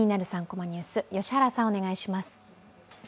３コマニュース」、良原さん、お願いします。